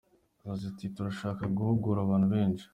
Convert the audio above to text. Yagize ati “Turashaka guhugura abantu benshi.